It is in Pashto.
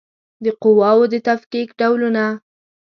د قواوو د تفکیک ډولونه